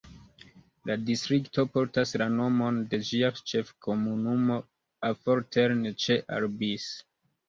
La distrikto portas la nomon de ĝia ĉef-komunumo Affoltern ĉe Albis.